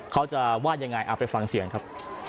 เขาจะว่ายังไงเอาไปฟังเสียงครับ